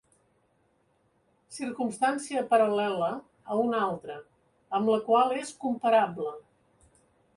Circumstància paral·lela a una altra, amb la qual és comparable.